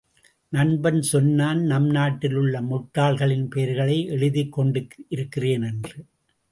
நண்பன் சொன்னான் நம்நாட்டில் உள்ள முட்டாள்களின் பெயர்களை எழுதிக் கொண்டிருக்கிறேன் என்று.